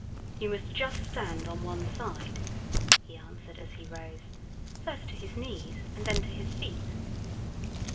"You must just stand on one side," he answered as he rose, first to his knees, and then to his feet.